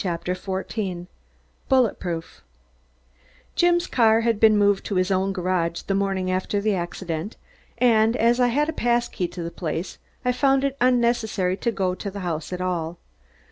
CHAPTER FOURTEEN BULLETPROOF Jim's car had been moved to his own garage the morning after the accident, and as I had a pass key to the place I found it unnecessary to go to the house at all.